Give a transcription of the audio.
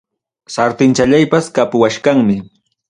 Sartenchallaypas kapuwachkanmi.